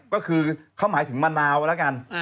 ก็คือเขาหมายถึงมะนาวแล้วกัน